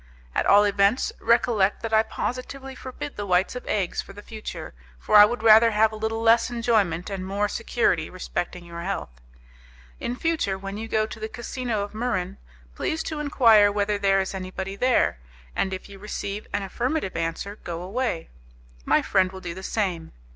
At all events, recollect that I positively forbid the whites of eggs for the future, for I would rather have a little less enjoyment and more security respecting your health. In future, when you go to the casino of Muran, please to enquire whether there is anybody there, and if you receive an affirmative answer, go away. My friend will do the same.